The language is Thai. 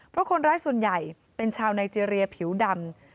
เพราะคนร้ายส่วนใหญ่เป็นชาวไนเจรียผิวดำ